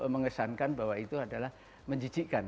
mengesankan bahwa itu adalah menjijikan